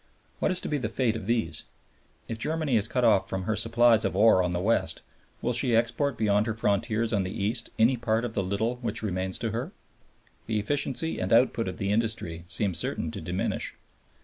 What is to be the fate of these? If Germany is cut off from her supplies of ore on the west, will she export beyond her frontiers on the east any part of the little which remains to her? The efficiency and output of the industry seem certain to diminish.